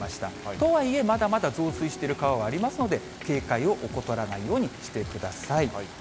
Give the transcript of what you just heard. とはいえ、まだまだ増水してる川はありますので、警戒を怠らないようにしてください。